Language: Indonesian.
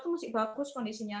itu masih bagus kondisinya